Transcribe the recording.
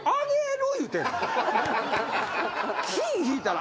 金引いたら。